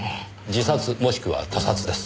自殺もしくは他殺です。